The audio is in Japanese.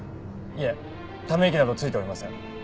いえため息などついておりません。